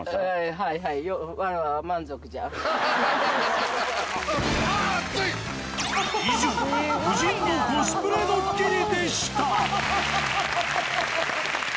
はい、はい、以上、夫人のコスプレドッキリでした。